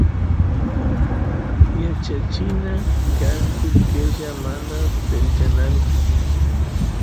yachachina kanku qella mana qelqananku